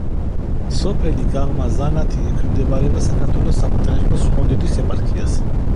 სოფელი გაღმა ზანათი ექვემდებარება საქართველოს საპატრიარქოს ჭყონდიდის ეპარქიას.